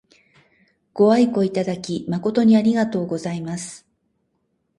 ご愛顧いただき誠にありがとうございます。